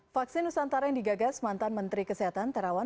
vaksin nusantara yang digagas mantan menteri kesehatan terawan